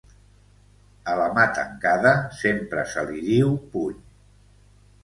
A la mà tancada sempre se li diu puny.